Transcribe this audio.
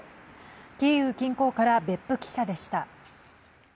キーウ近郊から別府記者でした。